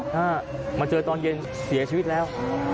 ถ้ามาเจอตอนเย็นเสียชีวิตแล้ว